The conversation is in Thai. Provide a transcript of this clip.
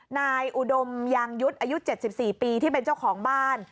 นายอุดมยางยุทธ์อายุ๗๔ปีที่เป็นเจ้าของบ้าน